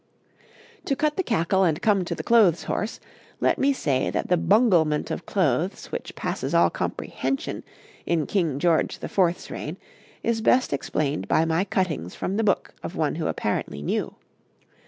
To cut the cackle and come to the clothes horse, let me say that the bunglement of clothes which passes all comprehension in King George IV.'s reign is best explained by my cuttings from the book of one who apparently knew.